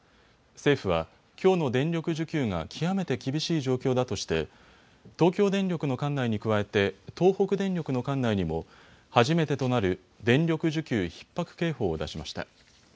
政府は、きょうの電力需給が極めて厳しい状況だとして東京電力の管内に加えて東北電力の管内にも初めてとなる電力需給ひっ迫警報を出しました。